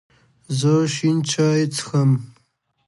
زه شین چای څښم